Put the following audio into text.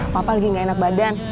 papa lagi gak enak badan